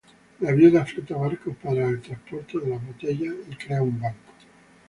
La viuda fleta barcos para el transporte de las botellas y crea un banco.